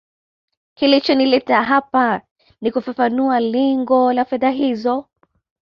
kilichonileta hapa ni kufafanua lengo la fedha hizo